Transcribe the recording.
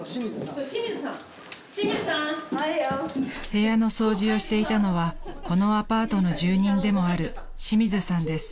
［部屋の掃除をしていたのはこのアパートの住人でもある清水さんです］